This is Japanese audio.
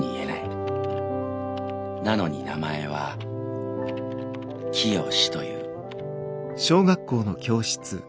なのに名前は『きよし』という」。